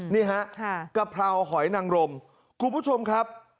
นี่ฮะกะเพราหอยนังรมคุณผู้ชมครับ